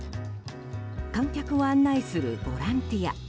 観客を案内するボランティア。